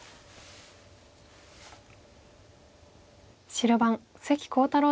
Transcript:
白番関航太郎